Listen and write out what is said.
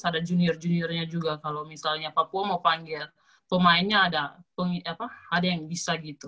ada junior juniornya juga kalau misalnya papua mau panggil pemainnya ada yang bisa gitu